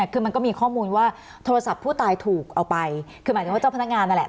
คือมันก็มีข้อมูลว่าโทรศัพท์ผู้ตายถูกเอาไปคือหมายถึงว่าเจ้าพนักงานนั่นแหละ